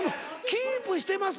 キープしてます。